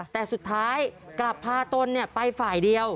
แต่สุดท้ายกลับพาตนไปฝ่ายเดียว